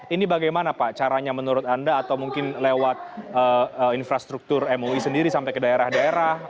ini bagaimana pak caranya menurut anda atau mungkin lewat infrastruktur mui sendiri sampai ke daerah daerah